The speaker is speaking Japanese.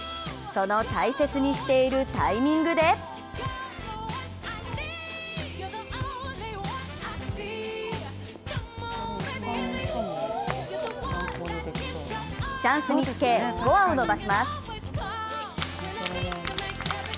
その大切にしているタイミングでチャンスにつけ、スコアを伸ばします。